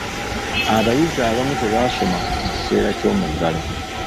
Abayizi abamu tebaasoma mu kiseera ky'omuggalo.